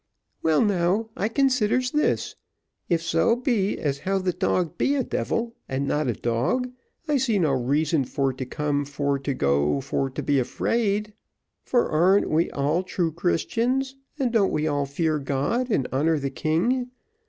"Well, now, I considers this, if so be as how the dog be a devil, and not a dog, I sees no reason for to come for to go for to be afraid; for ar'n't we all true Christians, and don't we all fear God and honour the king?